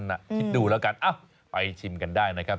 คิดดูแล้วกันไปชิมกันได้นะครับ